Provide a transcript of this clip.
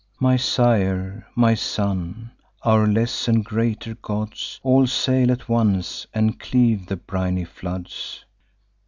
My sire, my son, our less and greater gods, All sail at once, and cleave the briny floods.